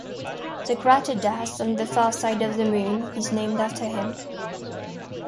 The crater Das on the far side of the Moon is named after him.